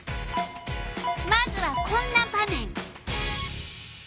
まずはこんな場面！